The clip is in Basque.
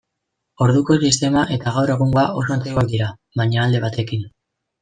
Orduko sistema eta gaur egungoa oso antzekoak dira, baina alde batekin.